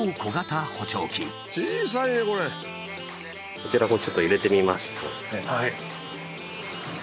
こちらをちょっと入れてみますと。